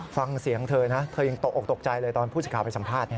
ฟังเสียงเธอนะเธอยังตกออกตกใจเลยตอนผู้สิทธิ์ไปสัมภาษณ์